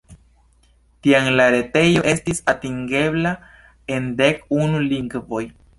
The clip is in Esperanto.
Tiam la retejo estis atingebla en dek unu lingvoj.